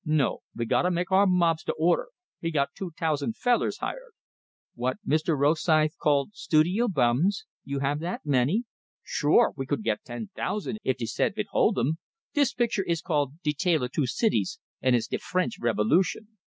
No, ve gotta make our mobs to order; we got two tousand fellers hired " "What Mr. Rosythe called 'studio bums'? You have that many?" "Sure, we could git ten tousand if de set vould hold 'em. Dis picture is called 'De Tale o' Two Cities,' and it's de French revolution.